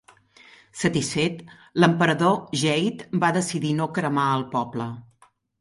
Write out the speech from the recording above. Satisfet, l"emperador Jade va decidir no cremar el poble.